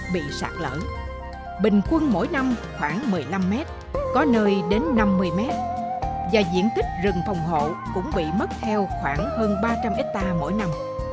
bị sạt lở bình quân mỗi năm khoảng một mươi năm mét có nơi đến năm mươi mét và diện tích rừng phòng hộ cũng bị mất theo khoảng hơn ba trăm linh hectare mỗi năm